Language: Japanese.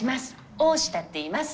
大下っていいます。